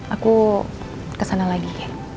aku kesana lagi